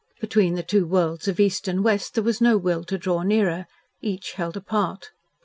Between the two worlds of East and West there was no will to draw nearer. Each held apart.